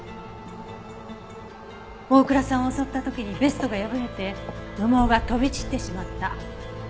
大倉さんを襲った時にベストが破れて羽毛が飛び散ってしまった。